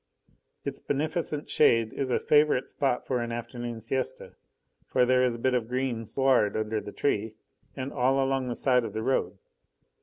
Its beneficent shade is a favourite spot for an afternoon siesta, for there is a bit of green sward under the tree, and all along the side of the road.